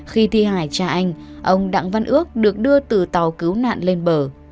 khi thi hải cha anh ông đặng văn ước được đưa từ tàu cứu nạn lên bờ